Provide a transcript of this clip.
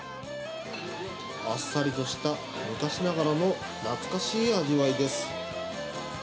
あっさりとした昔ながらの懐かしい味わいです。